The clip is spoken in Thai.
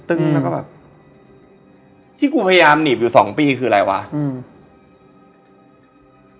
แล้วก็แบบที่กูพยายามหนีบอยู่สองปีคืออะไรวะอืม